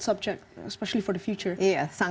subjek yang sangat penting terutama untuk masa depan